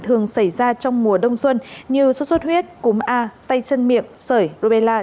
thường xảy ra trong mùa đông xuân như suốt suốt huyết cúm a tay chân miệng sởi rô bê la